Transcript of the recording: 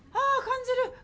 あ感じる！